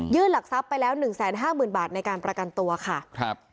ยื่นหลักทรัพย์ไปแล้ว๑๕๐๐๐๐บาทในการประกันตัวค่ะ